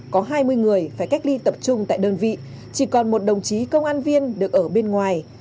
có hai mươi người phải cách ly tập trung tại đơn vị chỉ còn một đồng chí công an viên được ở bên ngoài